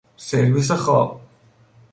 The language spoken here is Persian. سرویس خواب